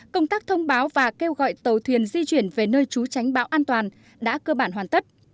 công tác thông báo và kêu gọi tàu thuyền di chuyển về nơi trú tránh bão an toàn đã cơ bản hoàn tất